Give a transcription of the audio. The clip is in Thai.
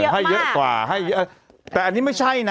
ให้เยอะกว่าให้เยอะแต่อันนี้ไม่ใช่นะ